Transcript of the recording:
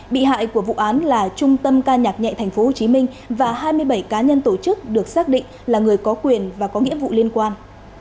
bị hại của vụ án là trung tâm ca nhạc nhẹ tp hcm và hai mươi bảy cá nhân tổ chức được xác định là người có quyền và có nghĩa vụ liên quan